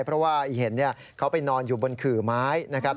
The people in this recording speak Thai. เพราะว่าอีเห็นเขาไปนอนอยู่บนขื่อไม้นะครับ